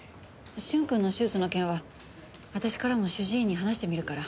駿君の手術の件は私からも主治医に話してみるから。